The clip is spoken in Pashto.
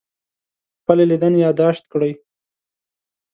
خپلې لیدنې یادداشت کړئ.